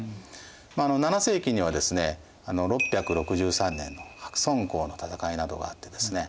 ７世紀にはですね６６３年の白村江の戦いなどがあってですね